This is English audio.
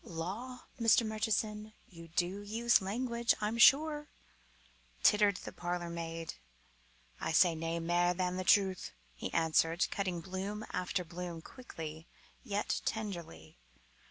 "Law! Mr. Murchison, you do use language, I'm sure!" tittered the parlourmaid. "I say nae mair than the truth," he answered, cutting bloom after bloom quickly yet tenderly.